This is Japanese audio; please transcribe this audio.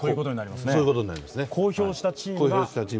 公表したチームが。